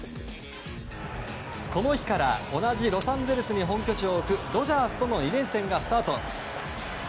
この日から同じロサンゼルスに本拠地を置くドジャースとの２連戦がスタート。